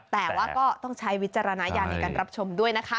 แต่ว่าก็ต้องใช้วิจารณญาณในการรับชมด้วยนะคะ